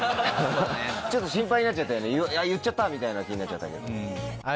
ちょっと心配になっちゃったよねあっ言っちゃったみたいな気になっちゃったけど。